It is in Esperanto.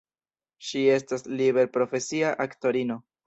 Ŝi estas liberprofesia aktorino.